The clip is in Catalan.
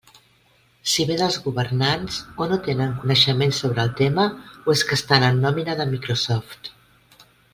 Si ve dels governants, o no tenen coneixement sobre el tema o és que estan en nòmina de Microsoft.